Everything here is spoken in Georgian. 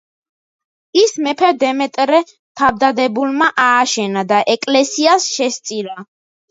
ის მეფე დემეტრე თავდადებულმა ააშენა და ეკლესიას შესწირა.